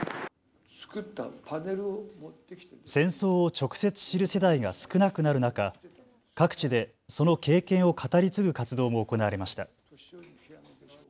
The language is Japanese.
戦争を直接知る世代が少なくなる中、各地でその経験を語り継ぐ活動も行われました。